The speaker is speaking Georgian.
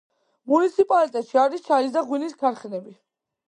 მუნიციპალიტეტში არის ჩაის და ღვინის ქარხნები.